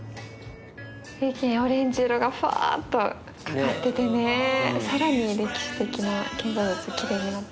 オレンジ色がふわっとかかっててね更に歴史的な建造物キレイになってる。